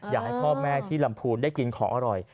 อยากให้พ่อแม่ที่ลำพูนได้กินของอร่อย